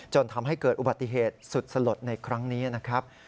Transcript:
จนทำให้เกิดอุบัติเหตุสุดสลดในครั้งนี้นะครับ